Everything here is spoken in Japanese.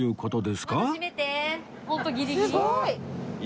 すごい。